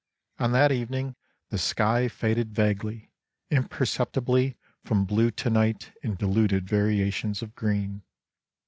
On that evening the sky faded vaguely, iuperceptibly, from blue to night, in diluted variations of green.